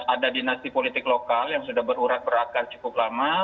ada dinasti politik lokal yang sudah berurat beratkan cukup lama